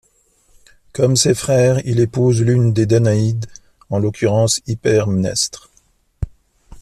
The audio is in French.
Comme ses frères, il épouse l'une des Danaïdes, en l'occurrence Hypermnestre.